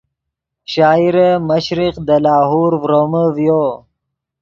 شاعر مشرق دے لاہور ڤرومے ڤیو